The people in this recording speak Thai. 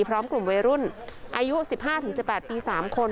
พร้อมกลุ่มวัยรุ่นอายุ๑๕๑๘ปี๓คน